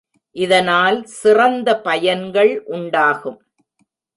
இதனால் சிறந்த பயன்கள் உண்டாகும்.